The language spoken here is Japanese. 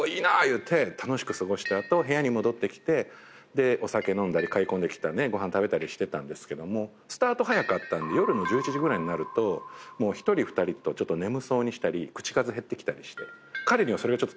言うて楽しく過ごした後部屋に戻ってきてお酒飲んだり買い込んできたご飯食べたりしてたんですけどスタート早かったんで夜の１１時ぐらいになると１人２人眠そうにしたり口数減ってきたりして彼にはそれが退屈だったんです。